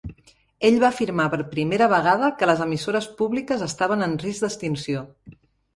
Ell va afirmar per primera vegada que les emissores públiques estaven en risc d'extinció.